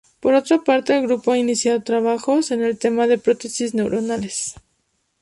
Por otra parte el grupo ha iniciado trabajos en el tema de Prótesis Neuronales.